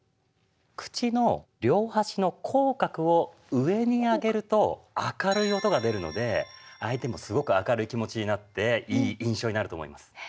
口の両端の口角を上に上げると明るい音が出るので相手もすごく明るい気持ちになっていい印象になると思います。